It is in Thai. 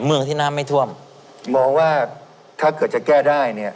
เมืองที่น้ำไม่ท่วมมองว่าถ้าเกิดจะแก้ได้เนี่ย